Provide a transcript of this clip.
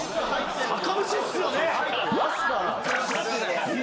・酒蒸しっすよね。